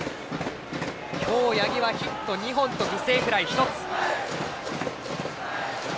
今日、八木はヒット２本と犠牲フライ１つ。